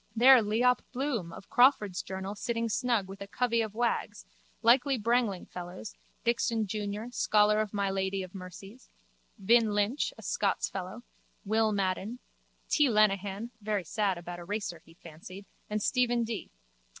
There Leop. Bloom of Crawford's journal sitting snug with a covey of wags, likely brangling fellows, Dixon jun., scholar of my lady of Mercy's, Vin. Lynch, a Scots fellow, Will. Madden, T. Lenehan, very sad about a racer he fancied and Stephen D.